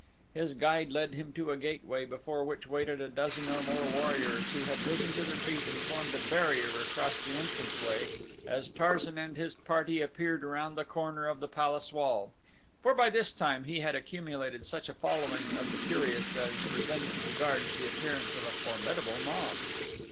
His guide led him to a gateway before which waited a dozen or more warriors who had risen to their feet and formed a barrier across the entrance way as Tarzan and his party appeared around the corner of the palace wall, for by this time he had accumulated such a following of the curious as presented to the guards the appearance of a formidable mob.